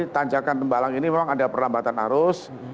tanjakan tembalang ini memang ada perlambatan arus